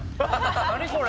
何これ。